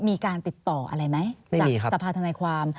มีการติดต่ออะไรไหมจากสภาธนายความ